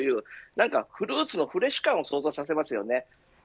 何かフルーツのフレッシュ感を想像させますよね。